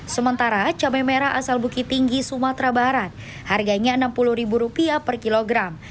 sementara cabai merah asal bukit tinggi sumatera barat harganya rp enam puluh per kilogram